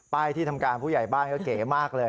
ที่ทำการผู้ใหญ่บ้านก็เก๋มากเลย